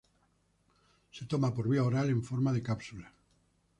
Se toma por vía oral en forma de cápsulas.